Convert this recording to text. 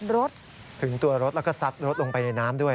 รถถึงตัวรถแล้วก็ซัดรถลงไปในน้ำด้วย